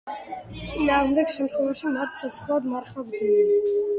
წინააღმდეგ შემთხვევაში მათ ცოცხლად მარხავდნენ.